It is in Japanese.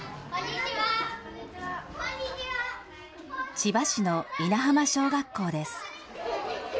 千葉市の稲浜小学校です。